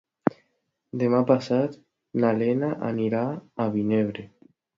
Demà passat na Lena anirà a Vinebre.